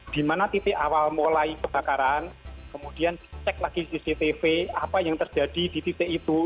di mana titik awal mulai kebakaran kemudian cek lagi cctv apa yang terjadi di titik itu